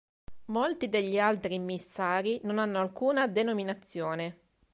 Molti degli altri immissari non hanno alcuna denominazione.